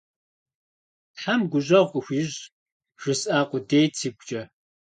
«Тхьэм гущӀэгъу къыхуищӀ» жысӀа къудейт сигукӀэ.